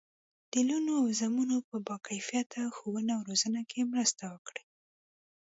د لوڼو او زامنو په باکیفیته ښوونه او روزنه کې مرسته وکړي.